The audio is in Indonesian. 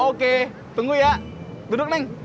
oke tunggu ya duduk neng